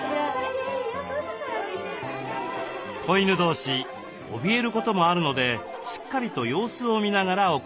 子犬同士おびえることもあるのでしっかりと様子を見ながら行います。